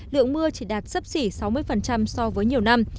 lượng mưa chỉ đạt sấp xỉ sáu mươi so với nhiều năm